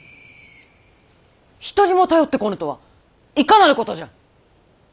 一人も頼ってこぬとはいかなることじゃ！